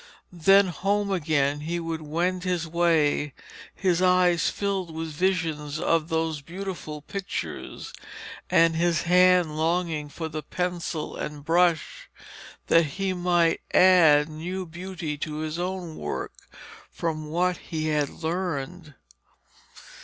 Then home again he would wend his way, his eyes filled with visions of those beautiful pictures, and his hand longing for the pencil and brush, that he might add new beauty to his own work from what he had learned.